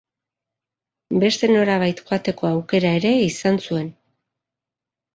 Beste norabait joateko aukera ere izan zuen.